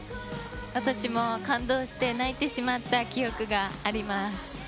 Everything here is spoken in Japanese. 私も感動して泣いてしまった記憶があります。